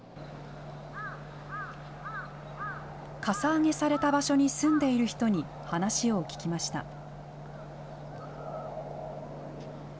かさ上げされた場所に住んでいる人に話を聞きました。